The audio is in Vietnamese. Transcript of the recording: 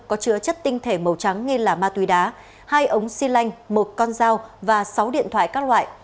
có chứa chất tinh thể màu trắng nghi là ma túy đá hai ống xi lanh một con dao và sáu điện thoại các loại